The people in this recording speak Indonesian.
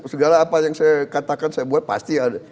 segala apa yang saya katakan saya buat pasti ada